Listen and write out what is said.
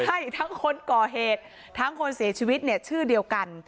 ใช่ทั้งคนก่อเหตุทั้งคนเสียชีวิตเนี่ยชื่อเดียวกัน